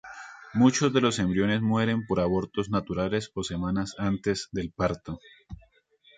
Muchos de los embriones mueren por abortos naturales o semanas antes del parto.